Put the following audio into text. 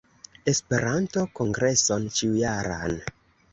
Esperanto-kongreson ĉiujaran